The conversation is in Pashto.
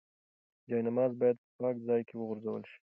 جاینماز باید په پاک ځای کې وغوړول شي.